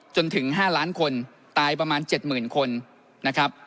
จนถึง๕ล้านคนตายประมาณ๗๐๐คนนะครับ